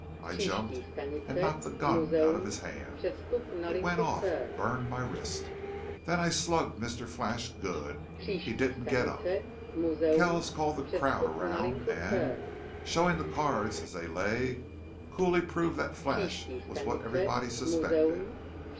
I jumped and knocked the gun out of his hand. It went off burned my wrist. Then I slugged Mr. Flash good he didn't get up.... Kells called the crowd around and, showing the cards as they lay, coolly proved that Flash was what everybody suspected.